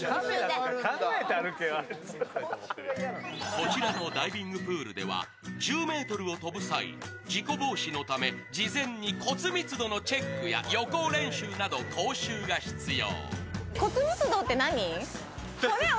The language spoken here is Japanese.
こちらのダイビングプールでは１０ｍを飛ぶ際、事故防止のため事前に骨密度のチェックや予行演習など講習が必要。